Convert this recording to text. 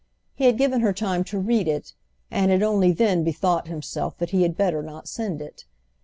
He had given her time to read it and had only then bethought himself that he had better not send it.